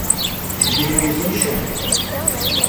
Yirêuzınşşe!